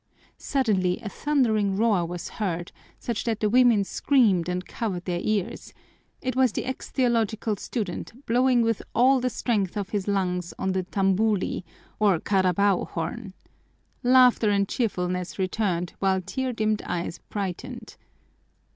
Suddenly a thundering roar was heard, such that the women screamed and covered their ears; it was the ex theological student blowing with all the strength of his lungs on the tambuli, or carabao horn. Laughter and cheerfulness returned while tear dimmed eyes brightened.